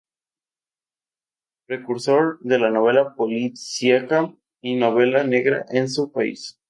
Precursor de la novela policíaca y novela negra en su país.